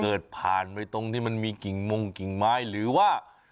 ผ่านไปตรงที่มันมีกิ่งมงกิ่งไม้หรือว่า